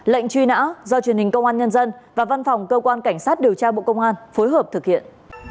lệnh truy nã do truyền hình công an nhân dân và văn phòng cơ quan cảnh sát điều tra bộ công an phối hợp thực hiện